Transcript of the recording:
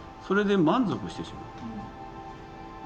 それで満足してしまって。